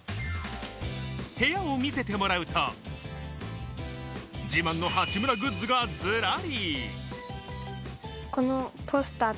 部屋を見せてもらうと、自慢の八村グッズがずらり。